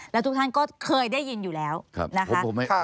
แล้วทุกท่านก็เคยได้ยินอยู่แล้วนะคะ